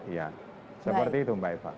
ya seperti itu mbak eva